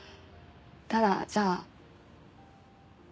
ただじゃあ。